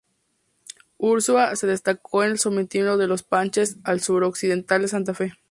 Ursúa se destacó en el sometimiento de los panches al suroccidente de Santa Fe.